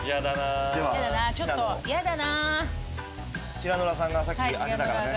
ヒラノラさんがさっき当てたからね。